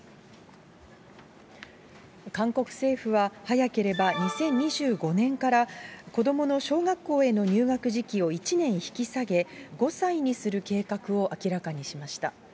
韓国政府は、早ければ２０２５年から、子どもの小学校への入学時期を１年引き下げ、５歳にする計画を明らかにしました。